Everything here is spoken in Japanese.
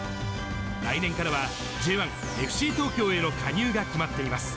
来年からは、Ｊ１・ＦＣ東京への加入が決まっています。